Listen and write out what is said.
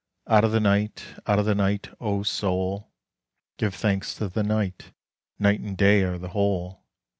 Out of the Night! out of the Night, O Soul: Give thanks to the Night: Night and Day are the Whole.